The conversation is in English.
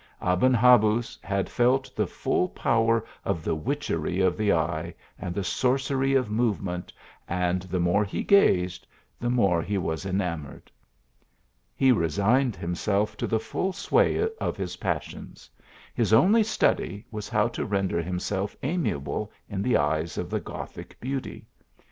Aben Habuz had felt the full power of the witchery of the eye, and the sorcery of movement, and the more he gazed, the more he was enamoured. 133 THE ALHAMBRA. He resigned himself to the full sway of his pas sions. His only study, was how to render himself amiable in the eyes of the Gothic beauty.